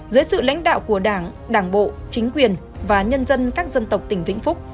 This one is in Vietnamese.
dưới sự lãnh đạo của đảng đảng bộ chính quyền và nhân dân các dân tộc tỉnh vĩnh phúc